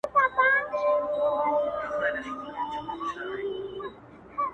گل وي ياران وي او سايه د غرمې.